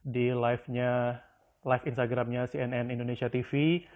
di live instagramnya cnn indonesia tv